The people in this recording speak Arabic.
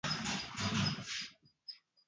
كان الانتظار